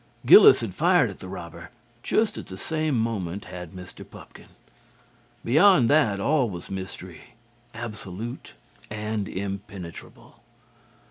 Gillis had fired at the robber; just at the same moment had Mr. Pupkin. Beyond that, all was mystery, absolute and impenetrable.